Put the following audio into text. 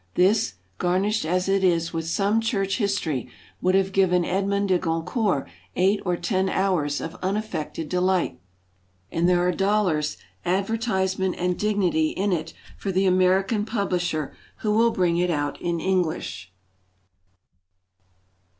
This, garnished as it is with some church history, would have given Edmond de Goncourt eight or ten hours of unaffected delight. And there are dollars, advertisement, and dignity in it for the American publisher who will bring it out in English.